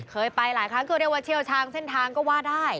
เคยไปหลายครั้งก็เรียกว่าเชี่ยวชาญเส้นทางก็ว่าได้